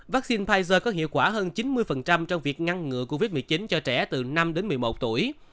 vaccine pfizer có hiệu quả hơn chín mươi trong việc ngăn ngựa covid một mươi chín cho trẻ từ năm đến một mươi một tuổi